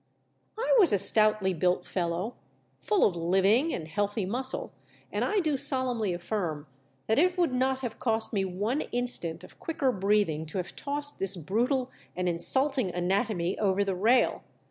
I was a stoutly built fellow, full of living and healthy muscle, and I do solemnly affirm that it would not have cost me one instant of quicker breathing to have tossed this brutal and insulting anatomy over the rail.